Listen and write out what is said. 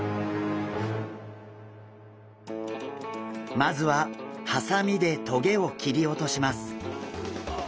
まずはハサミでトゲを切り落とします。